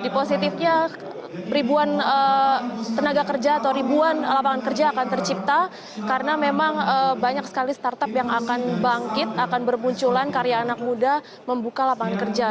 di positifnya ribuan tenaga kerja atau ribuan lapangan kerja akan tercipta karena memang banyak sekali startup yang akan bangkit akan bermunculan karya anak muda membuka lapangan kerja